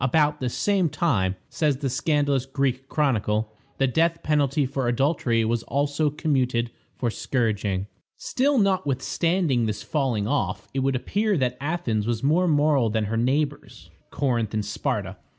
"About the same time," says the scandalous Greek chronicle, "the death penalty for adultery was also commuted for scourging." Still, notwithstanding this falling off, it would appear that Athens was more moral than her neighbors, Corinth and Sparta.